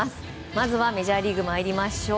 まずはメジャーリーグ参りましょう。